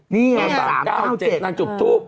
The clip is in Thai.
นี่ตอน๓๙๗นั่นจุดทูบ